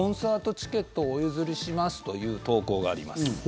チケットお譲りしますという投稿があります。